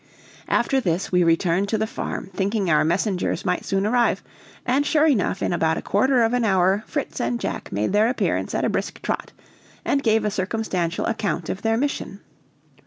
After this we returned to the farm, thinking our messengers might soon arrive, and sure enough, in about a quarter of an hour Fritz and Jack made their appearance at a brisk trot, and gave a circumstantial account of their mission.